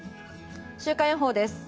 週間予報です。